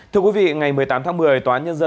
thưa quý vị ngày một mươi tám tháng một mươi